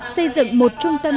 xây dựng một trung tâm